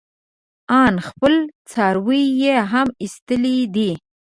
ان خپل څاروي يې هم ايستلي دي.